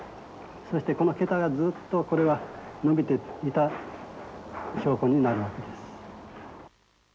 そしてこのけたがずっとこれは延びていた証拠になるわけです。